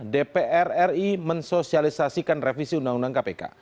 dpr ri mensosialisasikan revisi undang undang kpk